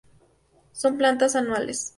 Son planta anuales.